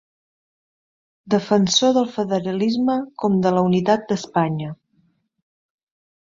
Defensor del federalisme com de la unitat d'Espanya.